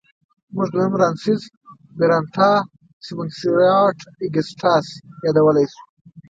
موږ دویم رامسس مېرنټاه سینوسېراټ اګسټاس یادولی شو.